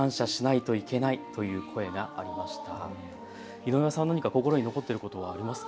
井上さん、何か心に残っていることはありますか。